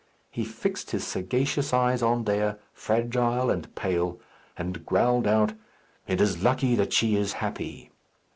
He fixed his sagacious eyes on Dea, fragile and pale, and growled out, "It is lucky that she is happy."